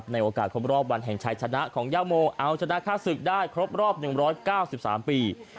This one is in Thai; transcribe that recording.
ในโอกาสครบรอบวันแห่งชายชนะของย่าโมเอาชนะฆ่าศึกได้ครบรอบ๑๙๓ปี